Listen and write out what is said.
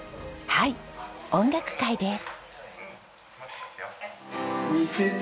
はい音楽会です。